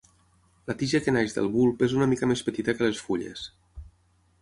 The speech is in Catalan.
La tija que neix del bulb és una mica més petita que les fulles.